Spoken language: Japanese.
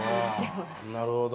なるほど。